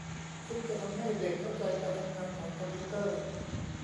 ซึ่งจะทำให้เด็กเข้าใจการทำงานของคอมพิวเตอร์